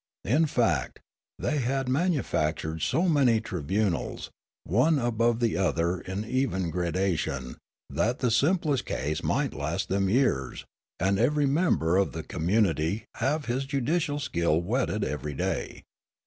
In fact, they had manu factured so many tribunals, one above another in even gradation, that the simplest case might last them years, and every member of the community have his judicial skill whetted every day.